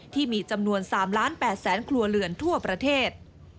ที่มีจำนวน๓ล้าน๘แสนครัวเรือนทั่วประเทศ